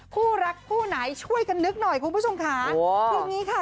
ผู้รักผู้ไหนช่วยกันนึกหน่อยคุณผู้ชมค่ะ